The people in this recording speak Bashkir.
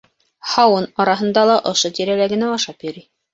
Һауын араһында ла ошо тирәлә генә ашап йөрөй.